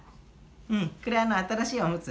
うんこれ新しいおむつ。